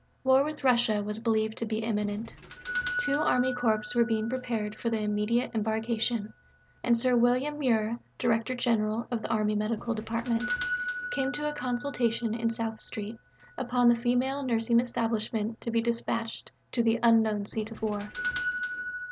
War with Russia was believed to be imminent; two Army Corps were being prepared for immediate embarkation; and Sir William Muir, Director General of the Army Medical Department, came to a consultation in South Street upon the female nursing establishment to be dispatched to the (unknown) seat of war.